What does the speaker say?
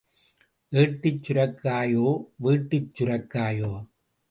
ஏட்டுச் சுரைக்காயோ, வீட்டுச் சுரைக்காயோ?